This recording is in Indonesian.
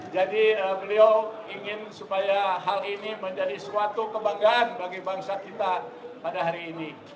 jadi beliau ingin supaya hal ini menjadi suatu kebanggaan bagi bangsa kita pada hari ini